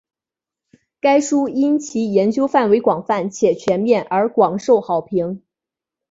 该书因其研究范围广泛且全面而广受好评。